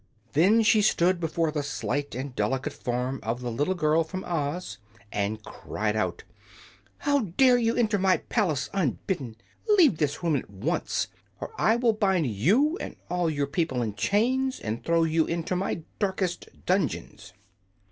There she stood before the slight and delicate form of the little girl from Oz and cried out; "How dare you enter my palace unbidden? Leave this room at once, or I will bind you and all your people in chains, and throw you into my darkest dungeons!"